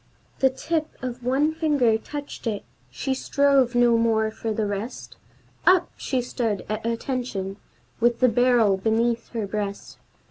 The tip of one finger touched it, she strove no more for the rest; Up, she stood up at attention, with the barrel beneath her breast.